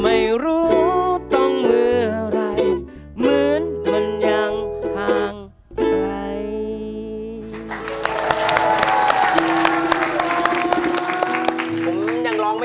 ไม่รู้ต้องเมื่อไหร่เหมือนมันยังห่างไกล